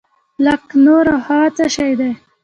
لکه نور او هوا څه شی دي؟